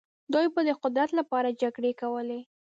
دوی به د قدرت لپاره جګړې کولې.